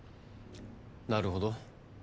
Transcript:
なるほど。